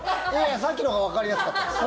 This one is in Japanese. さっきのほうがわかりやすかった。